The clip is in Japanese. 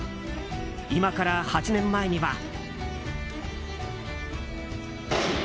今から８年前には。